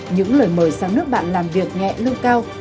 những lời mời sang nước bạn làm việc nhẹ lương cao